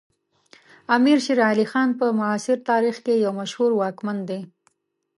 امیر شیر علی خان په معاصر تاریخ کې یو مشهور واکمن دی.